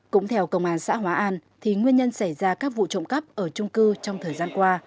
cũng theo công an xã hóa an thì nguyên nhân xảy ra các vụ trộm cắp ở trung cư trong thời gian qua